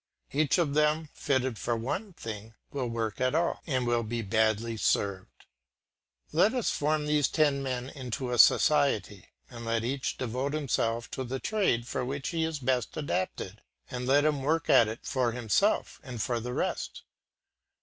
Each of them, fitted for one thing, will work at all, and will be badly served. Let us form these ten men into a society, and let each devote himself to the trade for which he is best adapted, and let him work at it for himself and for the rest.